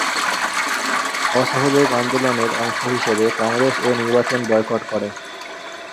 অসহযোগ আন্দোলনের অংশ হিসেবে কংগ্রেস এ নির্বাচন বয়কট করে।